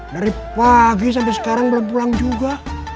dari pagi sampai sekarang belum pulang juga